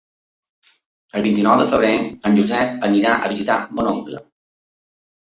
El vint-i-nou de febrer en Josep anirà a visitar mon oncle.